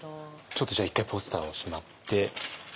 ちょっとじゃあ一回ポスターをしまって。